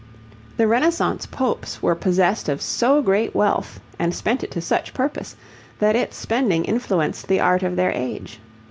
The Renaissance popes were possessed of so great wealth, and spent it to such purpose, that its spending influenced the art of their age.